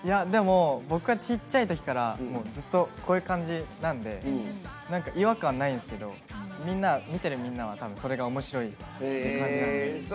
僕がちっちゃいときからずっとこういう感じなんで違和感ないんですけど見てるみんなは、それがたぶんおもしろいっていう感じなんで。